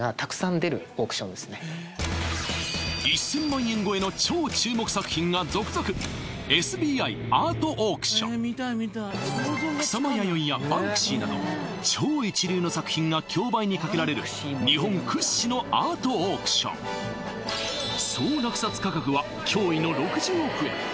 １０００万円超えの超注目作品が続々草間彌生やバンクシーなど超一流の作品が競売にかけられる日本屈指のアートオークション総落札価格は驚異の６０億円